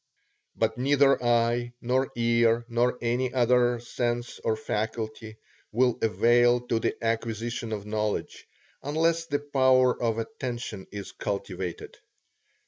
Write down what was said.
But neither eye nor ear, nor any other sense or faculty, will avail to the acquisition of knowledge, unless the power of attention is cultivated.